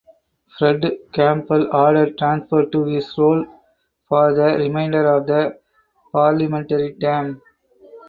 Fred Campbell added Transport to his roles for the remainder of the parliamentary term.